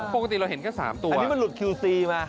พี่เห็นเลขอะไร